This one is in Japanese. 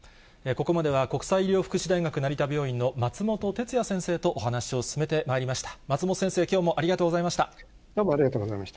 ここまでは国際医療福祉大学成田病院の松本哲也先生とお話を進めてまいりました。